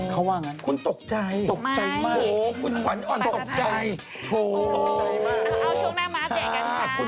สั่งที่ไหนคะไข่พะโล้ร้านไหน